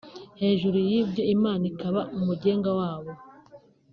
hejuru y’ibyo Imana ikaba umugenga w’abo